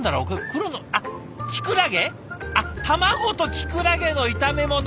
卵とキクラゲの炒め物！